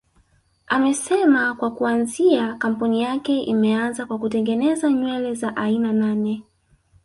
Amesema kwa kuanzia kampuni yake imeanza kwa kutengeneza nywele za aina nane